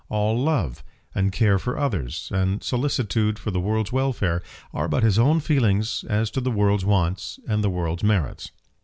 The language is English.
All love, and care for others, and solicitude for the world's welfare, are but his own feelings as to the world's wants and the world's merits.